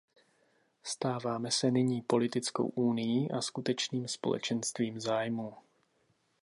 Stáváme se nyní politickou unií a skutečným společenstvím zájmů.